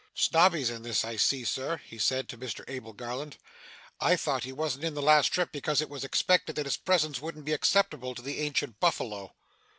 'Snobby's in this, I see, Sir?' he said to Mr Abel Garland. 'I thought he wasn't in the last trip because it was expected that his presence wouldn't be acceptable to the ancient buffalo.